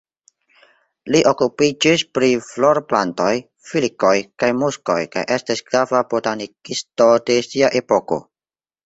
Li okupiĝis pri florplantoj, filikoj kaj muskoj kaj estis grava botanikisto de sia epoko.